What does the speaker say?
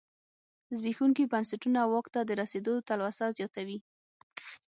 زبېښونکي بنسټونه واک ته د رسېدو تلوسه زیاتوي.